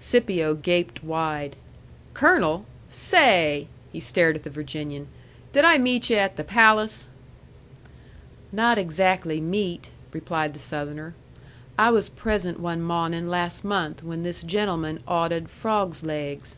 Scipio gaped wide. "Colonel! Say!" He stared at the Virginian. "Did I meet yu' at the palace?" "Not exackly meet," replied the Southerner. "I was present one mawnin' las' month when this gentleman awdehed frawgs' laigs."